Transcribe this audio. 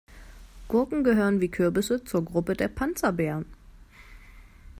Gurken gehören wie Kürbisse zur Gruppe der Panzerbeeren.